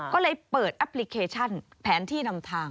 ก็เลยเปิดแอปพลิเคชันแผนที่นำทาง